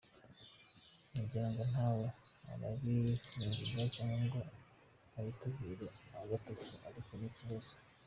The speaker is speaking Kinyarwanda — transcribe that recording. Ngira ngo ntawe urabifungirwa cyangwa ngo abitungirwe agatoki, ariko ni ikibazo.